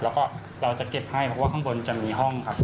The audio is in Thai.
แล้วก็เราจะเก็บให้เพราะว่าข้างบนจะมีห้องครับ